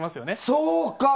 そうか！